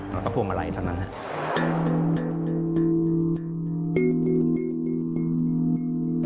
แล้วก็พวงมาลัยเท่านั้นครับ